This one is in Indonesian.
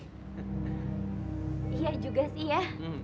iya juga sih ya